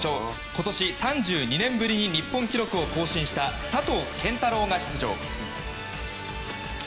今年３２年ぶりに日本記録を更新した、佐藤拳太郎が出場。